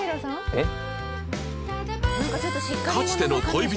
えっ？